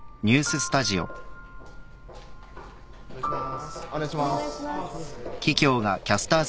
お願いします。